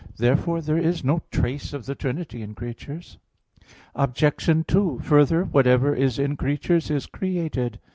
1). Therefore there is no trace of the Trinity in creatures. Obj. 2: Further, whatever is in creatures is created.